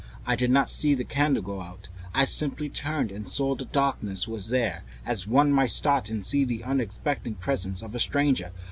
I did not see the candle go out, I simply turned and saw that the darkness was there, as one might start and see the unexpected presence of a stranger.